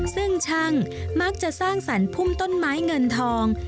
ซึ่งช่างมักจะสร้างสรรคุ่มต้นไม้เงินทอง